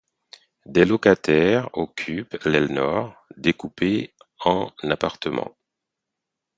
Des locataires occupent l'aile Nord, découpée en appartements.